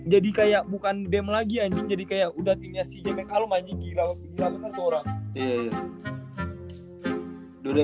jadi kayak bukan dem lagi anjing jadi kayak udah timnya si jemek kalum anjing gila bener tuh orang